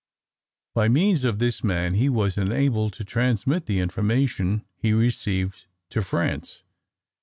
By means of this man he was enabled to transmit the information he received to France.